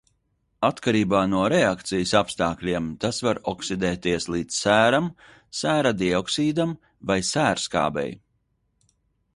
Atkarībā no reakcijas apstākļiem, tas var oksidēties līdz sēram, sēra dioksīdam vai sērskābei.